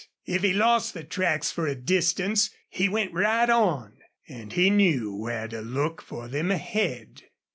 If he lost the tracks for a distance he went right on, and he knew where to look for them ahead.